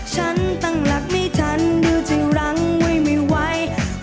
ฉันต้องรักไม่ทันเดี๋ยวจะรังไว้ไม่ไหว